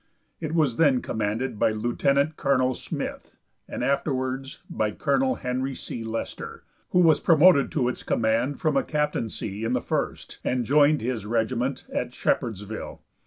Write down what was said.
It was then commanded by Lieutenant Colonel Smith, and afterwards by Col. Henry C. Lester, who was promoted to its command from a captaincy in the First, and joined his regiment at Shepardsville.